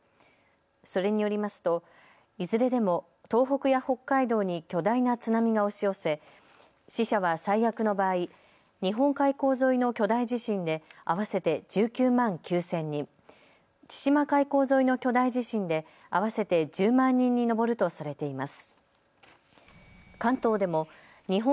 それによりますといずれでも東北や北海道に巨大な津波が押し寄せ死者は最悪の場合、日本海溝沿いの巨大地震で合わせて１９万９０００人、千島海溝沿いの巨大地震で合わせて１０万人に上るとされています。